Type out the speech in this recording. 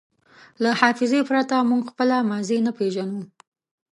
له حافظې پرته موږ خپله ماضي نه پېژنو.